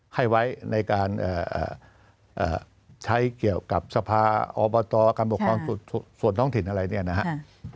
ให้ไว้ในการใช้เกี่ยวกับสภาอบตการปกครองส่วนท้องถิ่นอะไรเนี่ยนะครับ